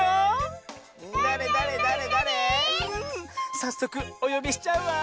さっそくおよびしちゃうわ！